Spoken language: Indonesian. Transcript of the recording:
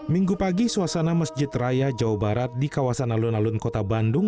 minggu pagi suasana masjid raya jawa barat di kawasan alun alun kota bandung